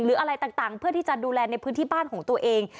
อะไรต่างเพื่อที่จะดูแลในพื้นที่บ้านของตัวเอง